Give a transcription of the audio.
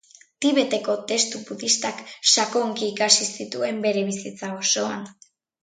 Tibeteko testu budistak sakonki ikasi zituen bere bizitza osoan.